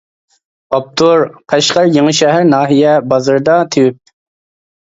ئاپتور: قەشقەر يېڭىشەھەر ناھىيە بازىرىدا تېۋىپ.